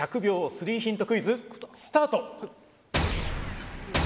スリーヒントクイズスタート！